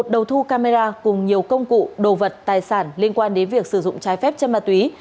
một đầu thu camera cùng nhiều công cụ đồ vật tài sản liên quan đến việc sử dụng trái phép chân ma túy